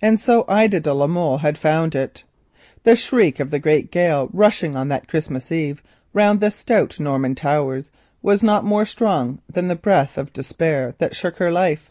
And so Ida de la Molle had found it. The shriek of the great gale rushing on that Christmas Eve round the stout Norman towers was not more strong than the breath of the despair which shook her life.